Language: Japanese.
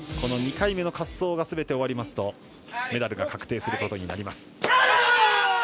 ２回目の滑走が終わりますとメダルが確定することになります。